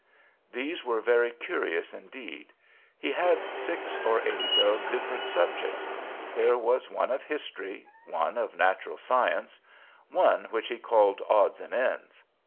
These were very curious indeed. He had six or eight, of different subjects. There was one of History, one of Natural Science, one which he called "Odds and Ends."